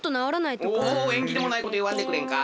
おえんぎでもないこといわんでくれんか。